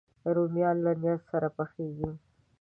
رومیان له نیت سره پخېږي